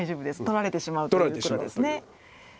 取られてしまうということですね。